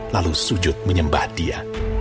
lalu sujud menyembah dia